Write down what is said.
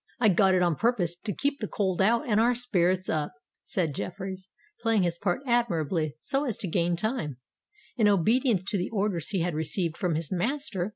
"I got it on purpose to keep the cold out and our spirits up," said Jeffreys, playing his part admirably so as to gain time, in obedience to the orders he had received from his master.